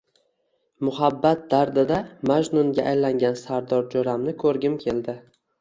Muhabbat dardida Majnunga aylangan Sardor joʻramni koʻrgim keldi.